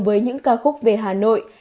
với những ca khúc về hà nội